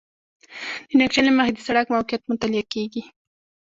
د نقشې له مخې د سړک موقعیت مطالعه کیږي